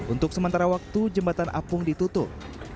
untuk sementara waktu jembatan apung ditutup